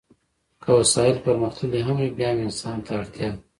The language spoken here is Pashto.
که وسایل پرمختللي هم وي بیا هم انسان ته اړتیا ده.